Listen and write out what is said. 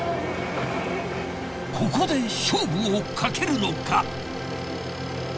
ここで勝負をかけるのか！？